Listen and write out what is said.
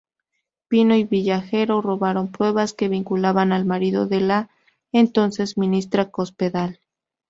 Pino y Villarejo robaron pruebas que vinculaban al marido de la entonces ministra Cospedal.